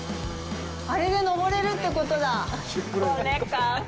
あれで登れるってことだ。